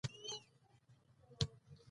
دا د تخصصي مضامینو لپاره اساس جوړوي.